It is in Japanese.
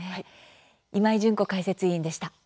今井純子解説委員でした。